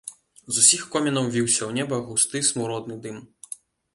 З усіх комінаў віўся ў неба густы смуродны дым.